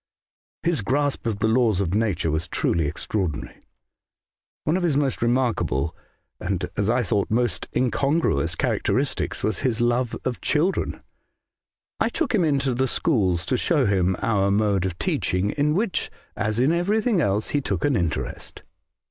His grasp of the laws of nature was truly extra ordinary. " One of his most remarkable, and, as I thought, most incongruous, characteristics was his love of children. I took him into the schools to show him our mode of teaching, in which, as in everthing else, he took an interest.